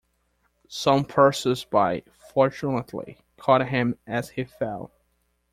Some passersby fortunately caught him as he fell.